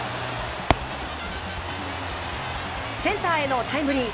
センターへのタイムリー。